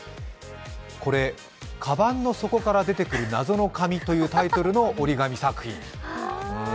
これ「かばんの底から出てくる謎の紙」というタイトルの折り紙作品。